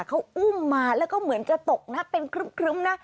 เขาอุ้มมาแล้วก็เหมือนจะตกนะเป็นครึ้มนะ